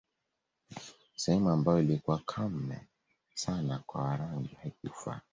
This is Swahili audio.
Sehemu ambayo ilikuwa kame sana kwa Warangi haikufaa